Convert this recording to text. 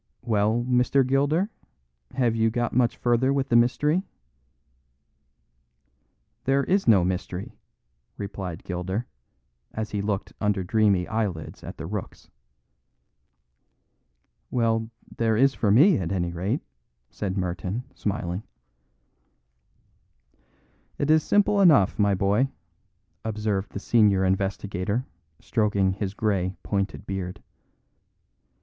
"Well, Mr. Gilder, have you got much farther with the mystery?" "There is no mystery," replied Gilder, as he looked under dreamy eyelids at the rooks. "Well, there is for me, at any rate," said Merton, smiling. "It is simple enough, my boy," observed the senior investigator, stroking his grey, pointed beard.